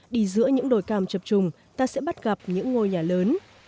đi giữa những đồi cam chập trùng ta sẽ bắt gặp những ngôi nhà lớn